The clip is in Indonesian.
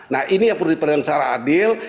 nah ini yang perlu diperhatikan secara adil